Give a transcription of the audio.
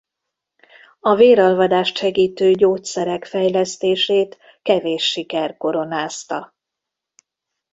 A véralvadást segítő gyógyszerek fejlesztését kevés siker koronázta.